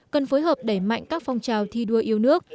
cần phối hợp đẩy mạnh các phong trào thi đua yêu nước